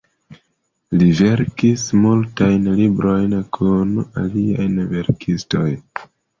Li verkis multajn librojn kun aliaj verkistoj.